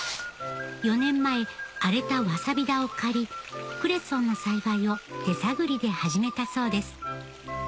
４年前荒れたわさび田を借りクレソンの栽培を手探りで始めたそうです